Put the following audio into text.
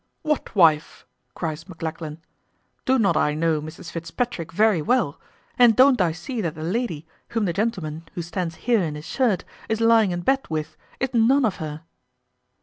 "What wife?" cries Maclachlan; "do not I know Mrs Fitzpatrick very well, and don't I see that the lady, whom the gentleman who stands here in his shirt is lying in bed with, is none of her?"